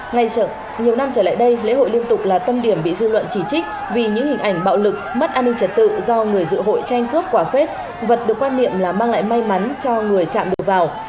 ngay nhiều năm trở lại đây lễ hội liên tục là tâm điểm bị dư luận chỉ trích vì những hình ảnh bạo lực mất an ninh trật tự do người dự hội tranh cướp quả phết vật được quan niệm là mang lại may mắn cho người trạm đổ vào